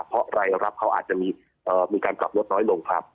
เพราะรายรับเขาอาจจะมีการปรับลดน้อยลงครับ